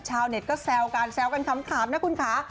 ชาวเน็ตก็แซวกันแซวกันขำนะคุณค่ะ